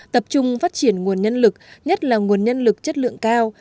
tập trung phát triển nguồn nhân lực nhất là nguồn nhân lực chất lượng cao